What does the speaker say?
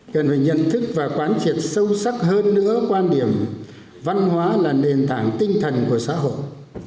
cần phải nhận thức và quán triệt sâu sắc hơn nữa quan điểm văn hóa là nền tảng tinh thần của xã hội